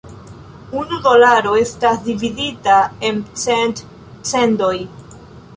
Unu dolaro estas dividita en cent "cendoj".